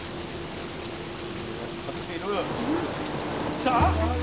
来た？